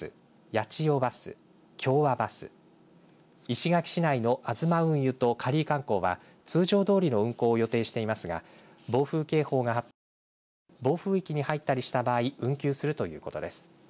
八千代バス、共和バス石垣市内の東運輸とカリー観光は通常どおりの運行を予定していますが暴風警報が発表されたり暴風域に入ったりした場合運休するということです。